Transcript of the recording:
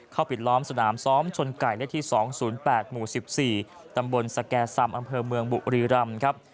เข้าผิดล้อมสนามซ้อมชนไก่ที่๒๐๘หมู่๑๔ตำบลสแก่๓อำเภอเมืองบุรีร่ำ